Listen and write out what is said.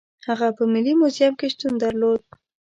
هغه په ملي موزیم کې شتون درلود.